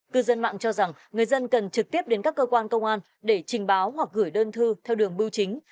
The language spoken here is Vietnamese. cư dân mạng cho rằng người dân cần trực tiếp đến các cơ quan công an để trình báo hoặc gửi đơn thư theo đường bưu chính